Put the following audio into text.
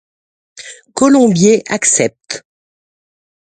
Colombier accepte.